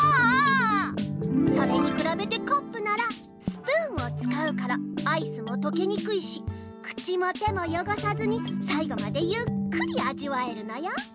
それにくらべてカップならスプーンをつかうからアイスもとけにくいし口も手もよごさずにさい後までゆっくりあじわえるのよ。